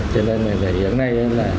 cho nên hiện nay